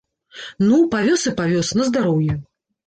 Ну, павёз і павёз, на здароўе.